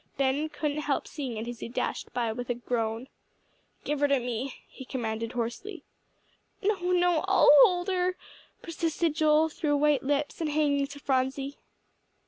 Ben couldn't help seeing it as he dashed by, with a groan. "Give her to me," he commanded hoarsely. "No, no I'll hold her," persisted Joel, through white lips, and hanging to Phronsie.